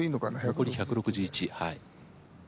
残り１６１はい。